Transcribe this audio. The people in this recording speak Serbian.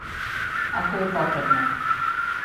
Ако је потребно.